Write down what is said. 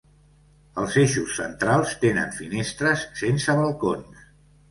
Els eixos centrals tenen finestres sense balcons.